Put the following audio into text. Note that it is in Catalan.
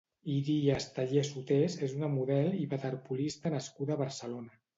Iria Esteller Sotés és una model i waterpolista nascuda a Barcelona.